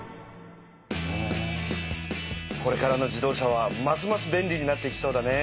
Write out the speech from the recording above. これからの自動車はますます便利になっていきそうだね。